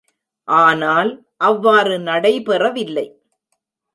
ஆனால், அவ்வாறு நடைபெறவில்லை.